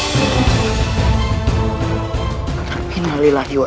minta maaf tuhan karena aku tidak berguna